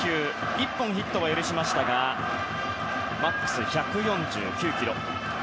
１本のヒットは許しましたがマックス１４９キロ。